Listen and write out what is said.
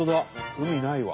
海ないわ。